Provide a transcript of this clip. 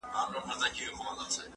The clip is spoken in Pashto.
زه له سهاره قلم استعمالوموم؟